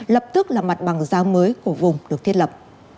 lập tức là mặt bằng giá mới của vùng được thiết lập